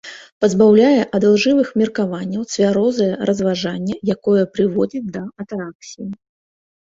Пазбаўляе ад ілжывых меркаванняў цвярозае разважанне, якое прыводзіць да атараксіі.